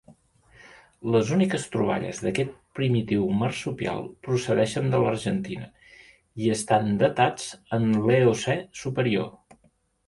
Les úniques troballes d'aquest primitiu marsupial procedeixen de l'Argentina i estan datats en l'Eocè Superior.